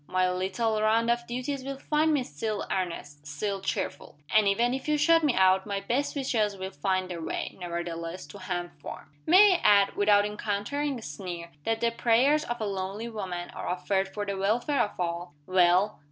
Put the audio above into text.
My little round of duties will find me still earnest, still cheerful. And even if you shut me out, my best wishes will find their way, nevertheless, to Ham Farm. May I add without encountering a sneer that the prayers of a lonely woman are offered for the welfare of all?" "Well?"